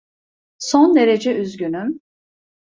Son derece üzgünüm.